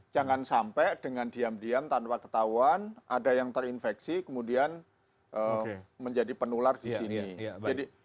jangan sampai dengan diam diam tanpa ketahuan ada yang terinfeksi kemudian menjadi penular di sini